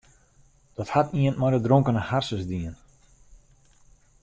Dat hat ien mei de dronkene harsens dien.